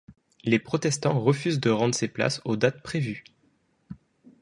Les protestants refusent de rendre ces places aux dates prévues.